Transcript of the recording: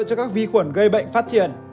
cho các vi khuẩn gây bệnh phát triển